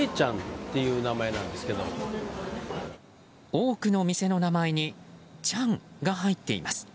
多くの店の名前に「ちゃん」が入っています。